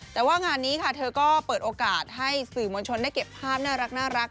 แต่ว่างานนี้ค่ะเธอก็เปิดโอกาสให้สื่อมวลชนได้เก็บภาพน่ารัก